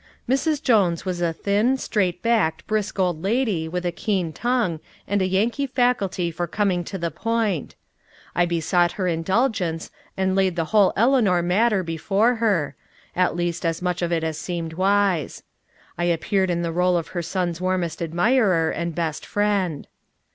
Mrs. Jones was a thin, straight backed, brisk old lady, with a keen tongue, and a Yankee faculty for coming to the point. I besought her indulgence, and laid the whole Eleanor matter before her at least, as much of it as seemed wise. I appeared in the rôle of her son's warmest admirer and best friend.